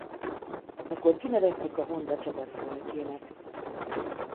Ekkor kinevezték a Honda csapatfőnökének.